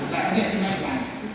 là ông điện trên lạc của anh ấy